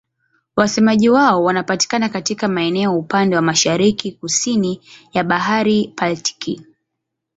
Wasemaji wao wanapatikana katika maeneo upande wa mashariki-kusini ya Bahari Baltiki.